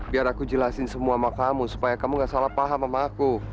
biar aku jelasin semua sama kamu supaya kamu gak salah paham sama aku